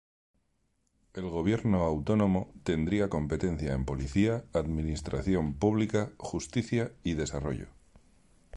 El gobierno autónomo tendría competencia en policía, administración publica, justicia, y desarrollo.